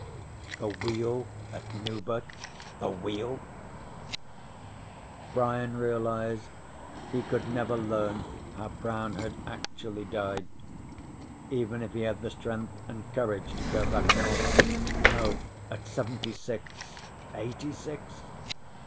The wheel at Nuber? The wheel? Brian realized he could never learn how Brown had actually died. Even if he had the strength and courage to go back north no, at seventy six (eighty six?)